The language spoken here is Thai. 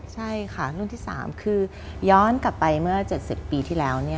ใช่ค่ะรุ่นที่๓คือย้อนกลับไปเมื่อ๗๐ปีที่แล้ว